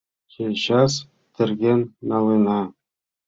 Чечас терген налына.